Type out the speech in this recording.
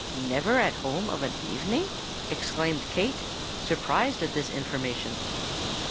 "Never at home of an evening!" exclaimed Kate, surprised at this information.